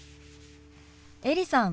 エリさん